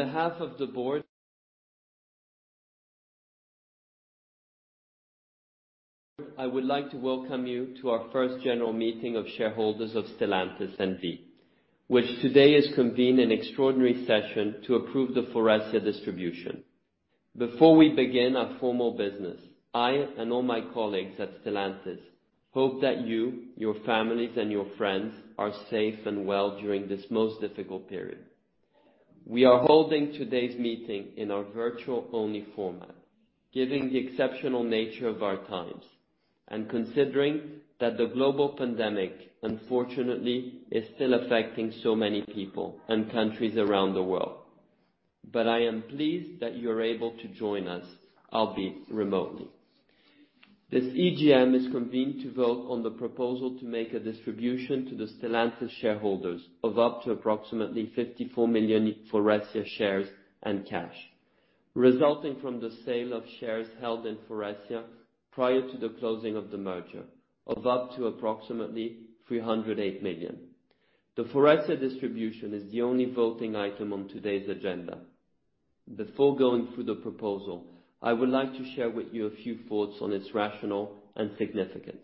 On behalf of the board, I would like to welcome you to our first general meeting of shareholders of Stellantis N.V., which today has convened an extraordinary session to approve the Faurecia distribution. Before we begin our formal business, I and all my colleagues at Stellantis hope that you, your families, and your friends are safe and well during this most difficult period. We are holding today's meeting in our virtual only format, given the exceptional nature of our times, and considering that the global pandemic, unfortunately, is still affecting so many people and countries around the world. I am pleased that you are able to join us, albeit remotely. This EGM is convened to vote on the proposal to make a distribution to the Stellantis shareholders of up to approximately 54 million Faurecia shares and cash, resulting from the sale of shares held in Faurecia prior to the closing of the merger of up to approximately 308 million. The Faurecia distribution is the only voting item on today's agenda. Before going through the proposal, I would like to share with you a few thoughts on its rationale and significance.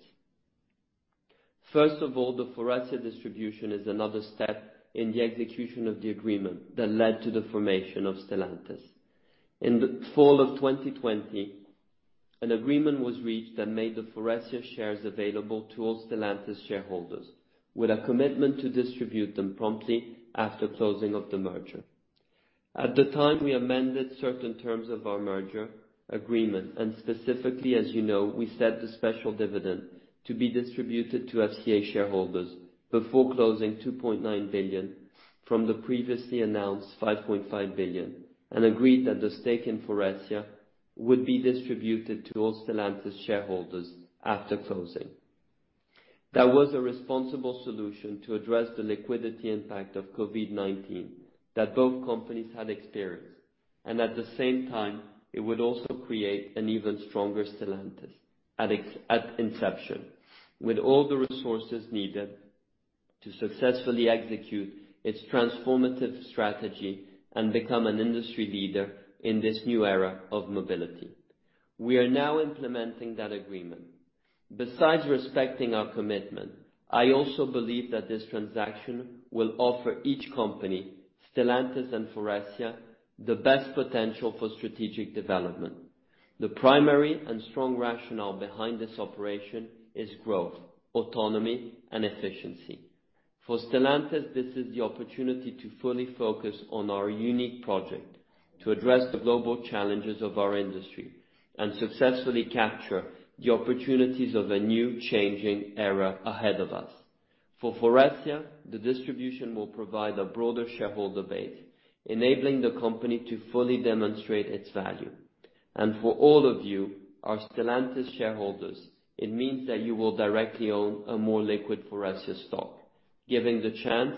First of all, the Faurecia distribution is another step in the execution of the agreement that led to the formation of Stellantis. In the fall of 2020, an agreement was reached that made the Faurecia shares available to all Stellantis shareholders with a commitment to distribute them promptly after closing of the merger. At the time, we amended certain terms of our merger agreement, and specifically, as you know, we set the special dividend to be distributed to FCA shareholders before closing 2.9 billion from the previously announced 5.5 billion, and agreed that the stake in Faurecia would be distributed to all Stellantis shareholders after closing. That was a responsible solution to address the liquidity impact of COVID-19 that both companies had experienced, and at the same time, it would also create an even stronger Stellantis at inception, with all the resources needed to successfully execute its transformative strategy and become an industry leader in this new era of mobility. We are now implementing that agreement. Besides respecting our commitment, I also believe that this transaction will offer each company, Stellantis and Faurecia, the best potential for strategic development. The primary and strong rationale behind this operation is growth, autonomy, and efficiency. For Stellantis, this is the opportunity to fully focus on our unique project to address the global challenges of our industry and successfully capture the opportunities of a new changing era ahead of us. For Faurecia, the distribution will provide a broader shareholder base, enabling the company to fully demonstrate its value. For all of you, our Stellantis shareholders, it means that you will directly own a more liquid Faurecia stock, giving the chance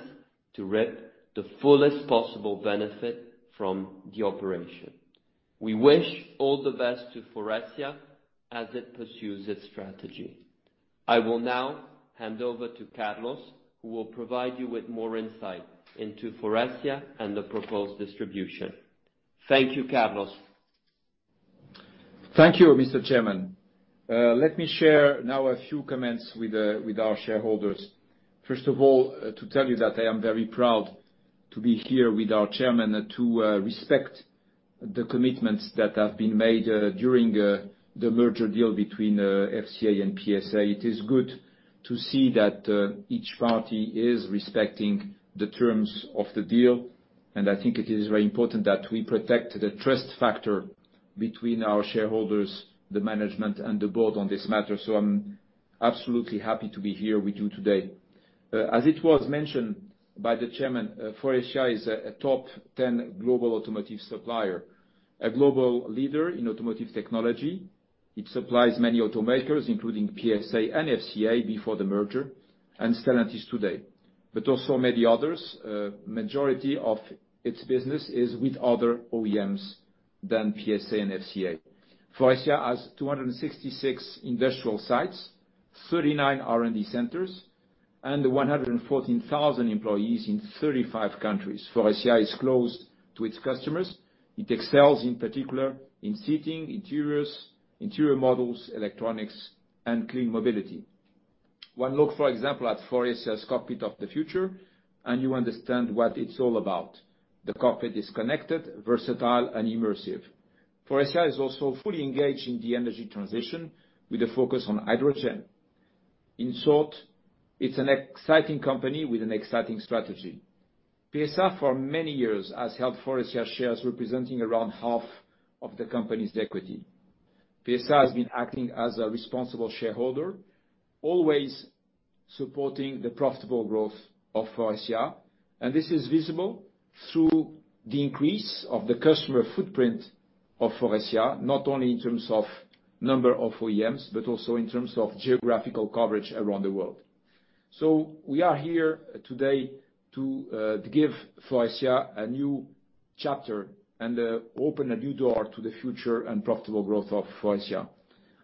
to reap the fullest possible benefit from the operation. We wish all the best to Faurecia as it pursues its strategy. I will now hand over to Carlos, who will provide you with more insight into Faurecia and the proposed distribution. Thank you, Carlos. Thank you, Mr. Chairman. Let me share now a few comments with our shareholders. First of all, to tell you that I am very proud to be here with our Chairman to respect the commitments that have been made during the merger deal between FCA and PSA. It is good to see that each party is respecting the terms of the deal. I think it is very important that we protect the trust factor between our shareholders, the management, and the board on this matter. I'm absolutely happy to be here with you today. As it was mentioned by the Chairman, Faurecia is a top 10 global automotive supplier. A global leader in automotive technology. It supplies many automakers, including PSA and FCA before the merger, and Stellantis today. Also many others. Majority of its business is with other OEMs than PSA and FCA. Faurecia has 266 industrial sites, 39 R&D centers, and 114,000 employees in 35 countries. Faurecia is close to its customers. It excels, in particular, in seating, interiors, interior models, electronics, and clean mobility. One look, for example, at Faurecia's cockpit of the future, and you understand what it's all about. The cockpit is connected, versatile, and immersive. Faurecia is also fully engaged in the energy transition with a focus on hydrogen. In short, it's an exciting company with an exciting strategy. PSA, for many years, has held Faurecia shares representing around half of the company's equity. PSA has been acting as a responsible shareholder, always supporting the profitable growth of Faurecia. This is visible through the increase of the customer footprint of Faurecia, not only in terms of number of OEMs, but also in terms of geographical coverage around the world. We are here today to give Faurecia a new chapter and open a new door to the future and profitable growth of Faurecia.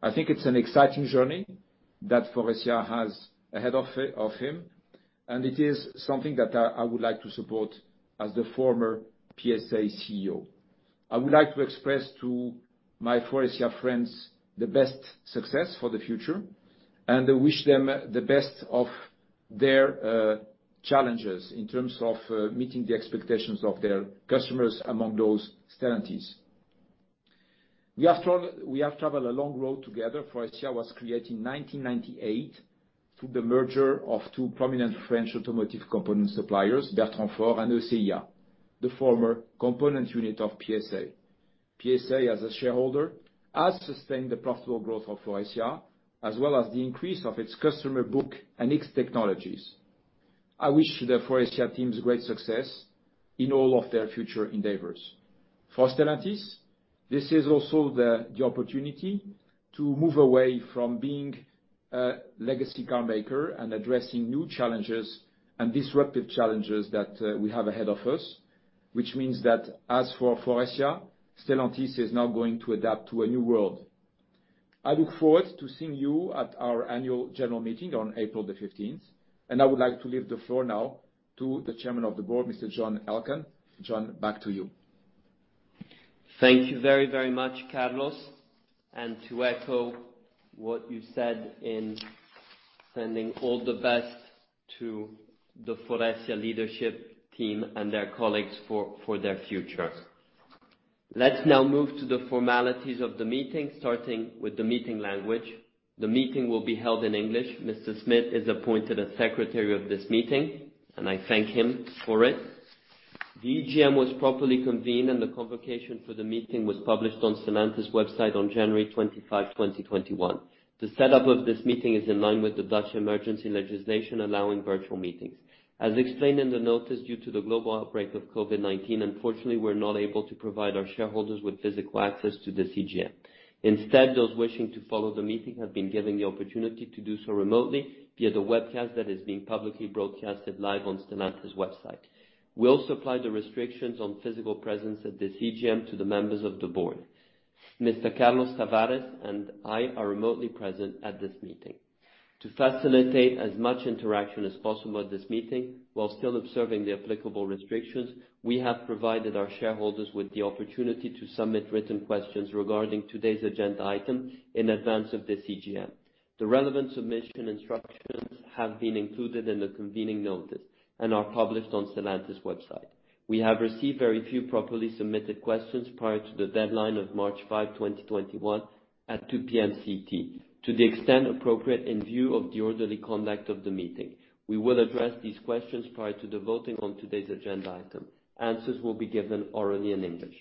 I think it's an exciting journey that Faurecia has ahead of him, and it is something that I would like to support as the former PSA CEO. I would like to express to my Faurecia friends the best success for the future, and I wish them the best of their challenges in terms of meeting the expectations of their customers among those Stellantis. We have traveled a long road together. Faurecia was created in 1998 through the merger of two prominent French automotive component suppliers, Bertrand Faure and ECIA, the former component unit of PSA. PSA, as a shareholder, has sustained the profitable growth of Faurecia, as well as the increase of its customer book and its technologies. I wish the Faurecia team great success in all of their future endeavors. For Stellantis, this is also the opportunity to move away from being a legacy car maker and addressing new challenges and disruptive challenges that we have ahead of us. Which means that, as for Faurecia, Stellantis is now going to adapt to a new world. I look forward to seeing you at our annual general meeting on April the 15th, and I would like to leave the floor now to the Chairman of the Board, Mr. John Elkann. John, back to you. Thank you very, very much, Carlos. To echo what you said in sending all the best to the Faurecia leadership team and their colleagues for their future. Let's now move to the formalities of the meeting, starting with the meeting language. The meeting will be held in English. Mr. Smith is appointed as secretary of this meeting, and I thank him for it. The EGM was properly convened. The convocation for the meeting was published on Stellantis website on January 25, 2021. The setup of this meeting is in line with the Dutch emergency legislation allowing virtual meetings. As explained in the notice, due to the global outbreak of COVID-19, unfortunately, we're not able to provide our shareholders with physical access to this EGM. Instead, those wishing to follow the meeting have been given the opportunity to do so remotely via the webcast that is being publicly broadcasted live on Stellantis website. We also applied the restrictions on physical presence at this EGM to the members of the board. Mr. Carlos Tavares and I are remotely present at this meeting. To facilitate as much interaction as possible at this meeting while still observing the applicable restrictions, we have provided our shareholders with the opportunity to submit written questions regarding today's agenda item in advance of this EGM. The relevant submission instructions have been included in the convening notice and are published on Stellantis website. We have received very few properly submitted questions prior to the deadline of March 5, 2021, at 2:00 P.M. CET. To the extent appropriate in view of the orderly conduct of the meeting, we will address these questions prior to the voting on today's agenda item. Answers will be given orally in English.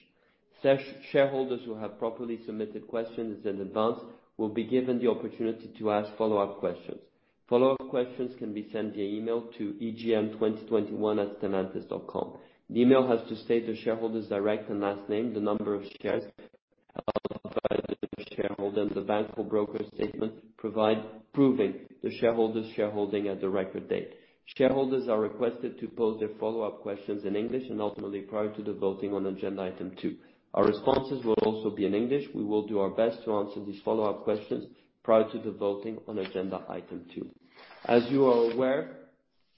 Shareholders who have properly submitted questions in advance will be given the opportunity to ask follow-up questions. Follow-up questions can be sent via email to egm2021@stellantis.com. The email has to state the shareholder's direct and last name, the number of shares held by the shareholder, and the bank or broker statement proving the shareholder's shareholding at the record date. Shareholders are requested to pose their follow-up questions in English, and ultimately, prior to the voting on agenda item two. Our responses will also be in English. We will do our best to answer these follow-up questions prior to the voting on agenda item two. As you are aware,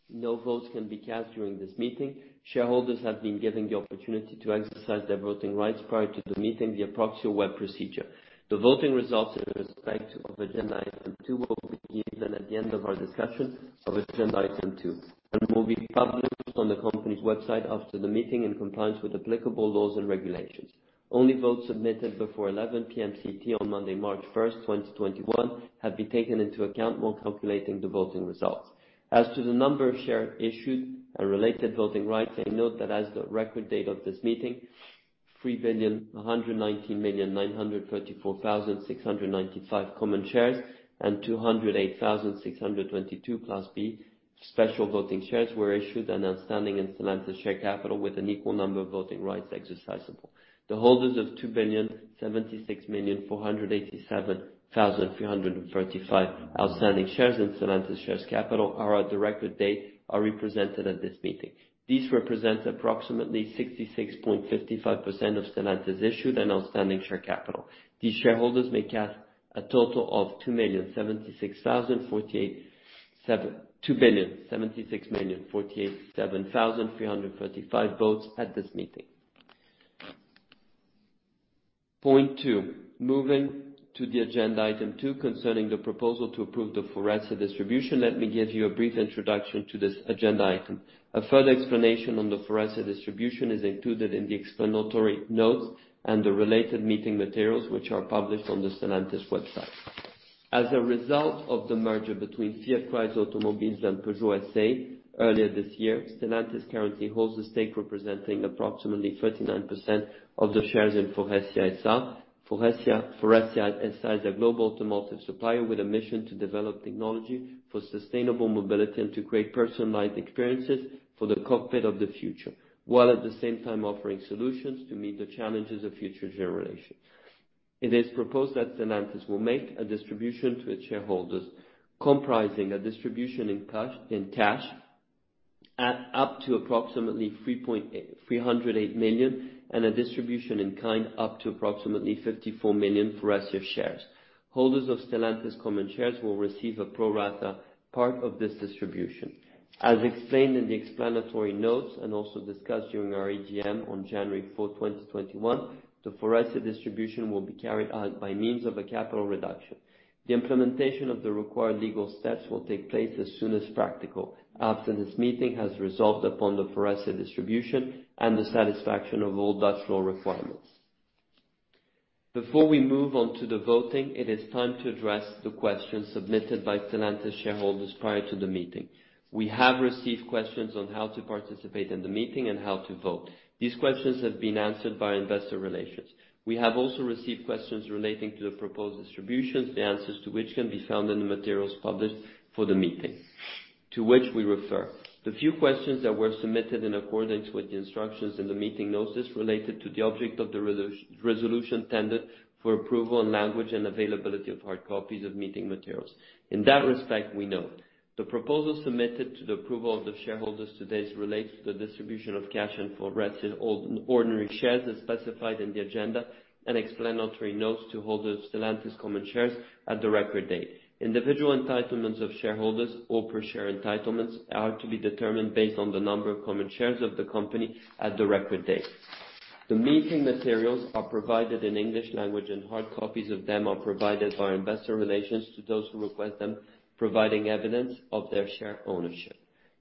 no votes can be cast during this meeting. Shareholders have been given the opportunity to exercise their voting rights prior to the meeting via proxy web procedure. The voting results in respect of agenda item two will be given at the end of our discussion of agenda item two and will be published on the company's website after the meeting in compliance with applicable laws and regulations. Only votes submitted before 11:00 P.M. CET on Monday, March 1, 2021, have been taken into account while calculating the voting results. As to the number of shares issued and related voting rights, I note that as the record date of this meeting, 3.12 billion common shares and 208,622 Class B special voting shares were issued and outstanding in Stellantis share capital with an equal number of voting rights exercisable. The holders of 2.08 billion outstanding shares in Stellantis share capital are at the record date represented at this meeting. These represent approximately 66.55% of Stellantis issued and outstanding share capital. These shareholders may cast a total of 2.08 billion votes at this meeting. Point 2. Moving to the agenda item two concerning the proposal to approve the Faurecia distribution, let me give you a brief introduction to this agenda item. A further explanation on the Faurecia distribution is included in the explanatory notes and the related meeting materials, which are published on the Stellantis website. As a result of the merger between Fiat Chrysler Automobiles and Peugeot S.A. earlier this year, Stellantis currently holds a stake representing approximately 39% of the shares in Faurecia S.E. Faurecia S.E. is a global automotive supplier with a mission to develop technology for sustainable mobility and to create personalized experiences for the cockpit of the future, while at the same time offering solutions to meet the challenges of future generations. It is proposed that Stellantis will make a distribution to its shareholders, comprising a distribution in cash up to approximately 308 million, and a distribution in kind up to approximately 54 million for Faurecia shares. Holders of Stellantis common shares will receive a pro rata part of this distribution. As explained in the explanatory notes and also discussed during our AGM on January 4, 2021, the Faurecia distribution will be carried out by means of a capital reduction. The implementation of the required legal steps will take place as soon as practical after this meeting has resolved upon the Faurecia distribution and the satisfaction of all Dutch law requirements. Before we move on to the voting, it is time to address the questions submitted by Stellantis shareholders prior to the meeting. We have received questions on how to participate in the meeting and how to vote. These questions have been answered by investor relations. We have also received questions relating to the proposed distributions, the answers to which can be found in the materials published for the meeting, to which we refer. The few questions that were submitted in accordance with the instructions in the meeting notice related to the object of the resolution tendered for approval and language and availability of hard copies of meeting materials. In that respect, we note, the proposal submitted to the approval of the shareholders today relates to the distribution of cash and Faurecia ordinary shares as specified in the agenda and explanatory notes to holders of Stellantis common shares at the record date. Individual entitlements of shareholders or per share entitlements are to be determined based on the number of common shares of the company at the record date. The meeting materials are provided in English language, and hard copies of them are provided by investor relations to those who request them, providing evidence of their share ownership.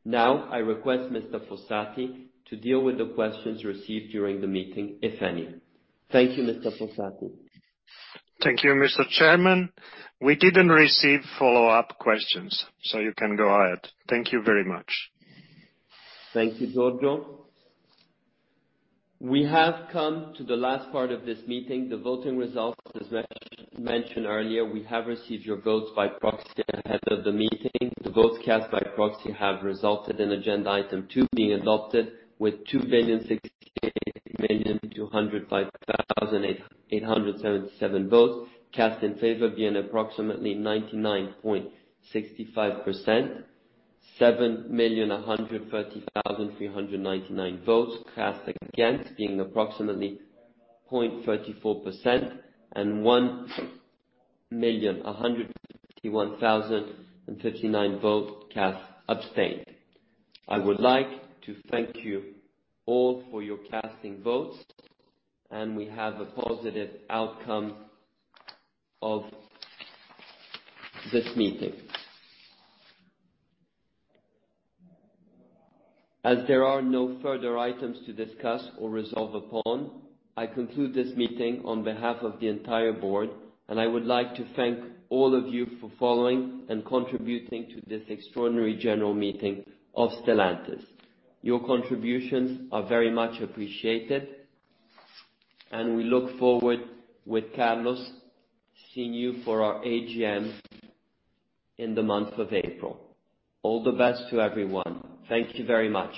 Now, I request Mr. Fossati to deal with the questions received during the meeting, if any. Thank you, Mr. Fossati. Thank you, Mr. Chairman. We didn't receive follow-up questions, so you can go ahead. Thank you very much. Thank you, Giorgio. We have come to the last part of this meeting, the voting results. As mentioned earlier, we have received your votes by proxy ahead of the meeting. The votes cast by proxy have resulted in agenda item two being adopted with votes cast in favor of being approximately 99.65%, 7.13 million votes cast against, being approximately 0.34%, and 1.15 million votes cast abstained. I would like to thank you all for your casting votes, and we have a positive outcome of this meeting. As there are no further items to discuss or resolve upon, I conclude this meeting on behalf of the entire board, and I would like to thank all of you for following and contributing to this extraordinary general meeting of Stellantis. Your contributions are very much appreciated, and we look forward, with Carlos, seeing you for our AGM in the month of April. All the best to everyone. Thank you very much.